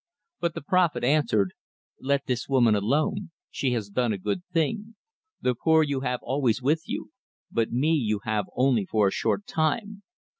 But the prophet answered: "Let this woman alone. She has done a good thing. The poor you have always with you, but me you have only for a short time.